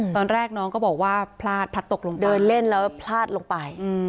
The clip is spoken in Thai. ตอนแรกน้องก็บอกว่าพลาดพลัดตกลงเดินเล่นแล้วพลาดลงไป